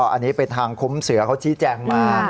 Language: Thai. อันนี้เป็นทางคุ้มเสือเขาชี้แจงมา